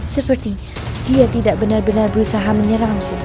seperti dia tidak benar benar berusaha menyerang